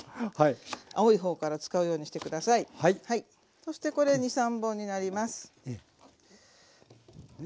そしてこれ２３本になります。